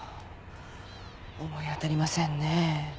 思い当たりませんね。